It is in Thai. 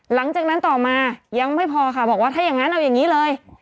หลังจากนั้นต่อมายังไม่พอค่ะบอกว่าถ้าอย่างนั้นเอาอย่างนี้เลย